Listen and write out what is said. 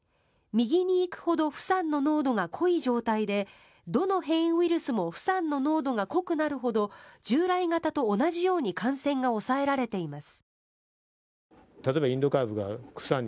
右に行くほどフサンの濃度が濃い状態でどの変異ウイルスもフサンの濃度が濃くなるほど従来型と同じように感染が抑えられています。